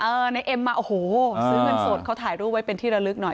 ในเอ็มมาโอ้โหซื้อเงินสดเขาถ่ายรูปไว้เป็นที่ระลึกหน่อย